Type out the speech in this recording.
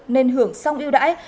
nên hưởng song yêu đãi